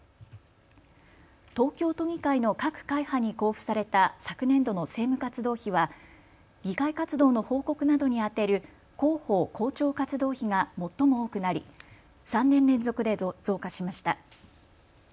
東京都議会の各会派に交付された昨年度の政務活動費は議会活動の報告などに充てる広報・広聴活動費が最も多くなり３年連続で増加しました。